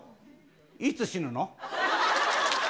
いつ死ぬの？